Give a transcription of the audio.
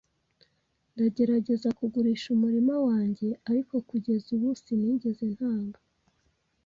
Ndagerageza kugurisha umurima wanjye, ariko kugeza ubu sinigeze ntanga.